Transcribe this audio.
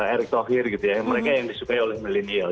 erick thohir gitu ya mereka yang disukai oleh milenial